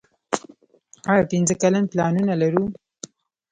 آیا پنځه کلن پلانونه لرو؟